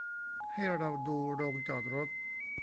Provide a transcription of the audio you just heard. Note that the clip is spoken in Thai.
ให้เราดูโรงจอดรถ